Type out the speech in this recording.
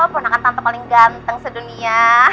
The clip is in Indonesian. ponakan tante paling ganteng sedunia